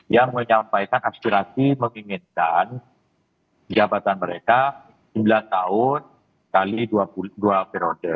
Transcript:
yang menyampaikan aspirasi menginginkan jabatan mereka sembilan tahun x dua periode